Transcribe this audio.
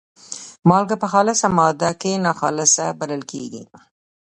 مالګه په خالصه ماده کې ناخالصه بلل کیږي.